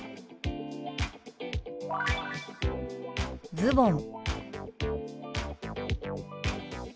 「ズボン」。